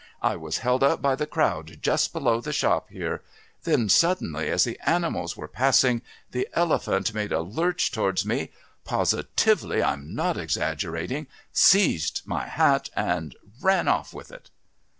I was held up by the crowd just below the shop here. Then suddenly, as the animals were passing, the elephant made a lurch towards me positively, I'm not exaggerating seized my hat and ran off with it!"